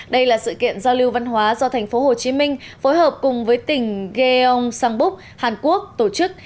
đây là sự kiện giao lưu văn hóa do tp hcm phối hợp cùng với tỉnh gyeongsangbuk hàn quốc tổ chức